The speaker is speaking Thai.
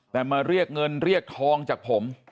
แต่มาเรียกเงินเรียกทองจากผม